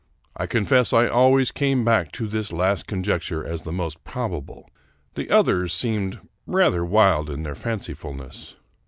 I confess I always came back to this last conjecture as the most probable ; the others seemed rather wild in their fancifulness.